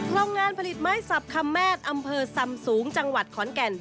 โรงงานผลิตไม้สับคำแมทอำเภอซำสูงจังหวัดขอนแก่น